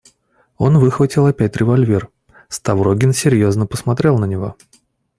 Он выхватил опять револьвер; Ставрогин серьезно посмотрел на него.